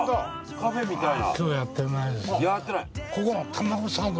カフェみたいな。